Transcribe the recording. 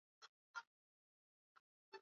Kichaa cha mbwa